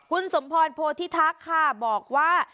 คุณสมพรโพธิทักษ์ค่ะบอกว่า